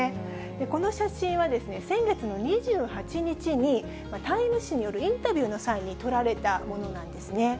この写真は、先月の２８日に、タイム誌によるインタビューの際に撮られたものなんですね。